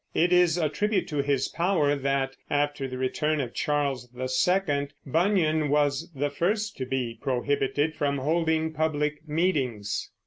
It is a tribute to his power that, after the return of Charles II, Bunyan was the first to be prohibited from holding public meetings.